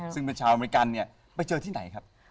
ซึ่งเป็นชาวอเมริกันเนี่ยไปเจอที่ไหนครับ